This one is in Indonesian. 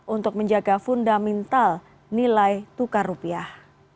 untuk menjaga fundamental nilai tukar rupiah